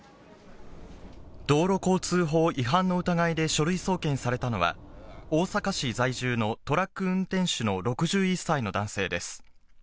道路交通法違反の疑いで書類送検されたのは、大阪市在住のトラック運転手の６１歳の男性です。